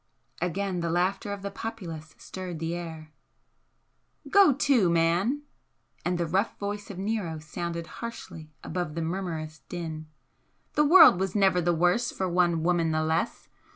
Again the laughter of the populace stirred the air. "Go to, man!" and the rough voice of Nero sounded harshly above the murmurous din "The world was never the worse for one woman the less!